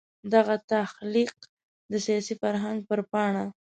دغه تخلیق د سیاسي فرهنګ پر پاڼه.